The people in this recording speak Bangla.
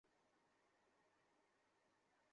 হাই, আমি থালিয়া!